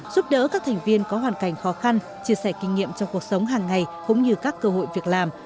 giúp đỡ các thành viên có hoàn cảnh khó khăn chia sẻ kinh nghiệm trong cuộc sống hàng ngày cũng như các cơ hội việc làm